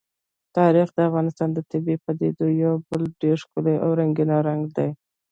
تاریخ د افغانستان د طبیعي پدیدو یو بل ډېر ښکلی او رنګین رنګ دی.